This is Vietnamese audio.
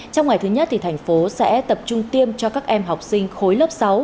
trong ngày thứ nhất thành phố sẽ tập trung tiêm cho các em học sinh khối lớp sáu